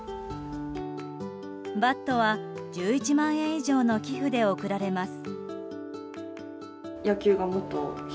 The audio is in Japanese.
バットは１１万円以上の寄付で送られます。